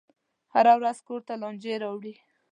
هره ورځ کور ته لانجې راوړي.